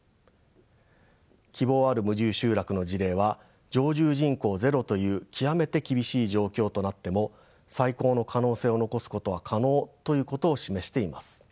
希望ある無住集落の事例は常住人口ゼロという極めて厳しい状況となっても再興の可能性を残すことは可能ということを示しています。